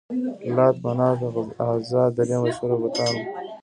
لات، منات، عزا درې مشهور بتان وو.